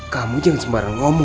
kamu jangan sembarang ngomong